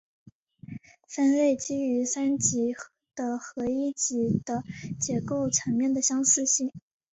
分类基于三级的和一级的结构层面的相似性。